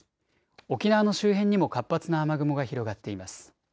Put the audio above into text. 沖縄の周辺にも活発な雨雲が広がっています。